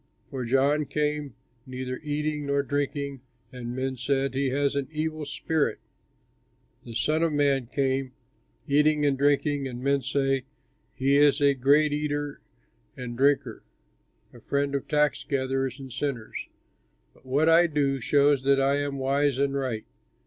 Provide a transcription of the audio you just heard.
For John came neither eating nor drinking, and men said, 'He has an evil spirit!' The Son of Man came eating and drinking, and men say, 'He is a great eater and drinker, a friend of tax gatherers and sinners!' But what I do shows that I am wise and right."